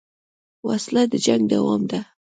وسله د جنګ دوام ده